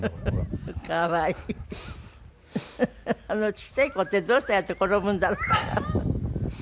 ちっちゃい子ってどうしてああやって転ぶんだろう？